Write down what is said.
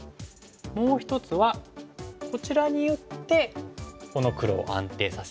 もう一つはこちらに寄ってこの黒を安定させる。